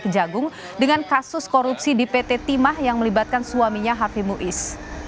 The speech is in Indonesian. kejagung dengan kasus korupsi di pt timah yang melibatkan suaminya hafi muiz